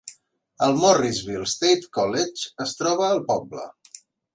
El Morrisville State College es troba al poble.